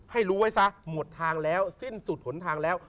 ให้รู้ไว้ซะหมดทางแล้วสิ้นสุดหนทางแล้ว